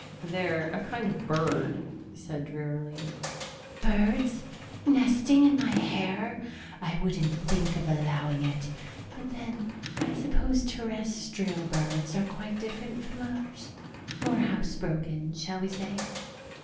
"They're a kind of bird," he said drearily. "Birds nesting in my hair! I wouldn't think of allowing it. But then I suppose Terrestrial birds are quite different from ours? More housebroken, shall we say?"